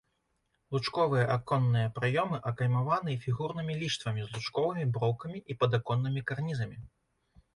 Лучковыя аконныя праёмы акаймаваны фігурнымі ліштвамі з лучковымі броўкамі і падаконнымі карнізамі.